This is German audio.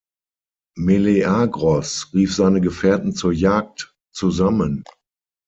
Meleagros rief seine Gefährten zur Jagd zusammen.